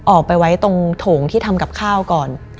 ออกไปไว้ตรงโถงที่ทำกับข้าวก่อน